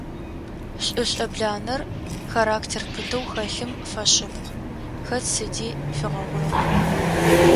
Лӏы лӏэбланэр характер пытэу хэлъым фэшъыпкъ – хэт сыди фигъэгъурэп.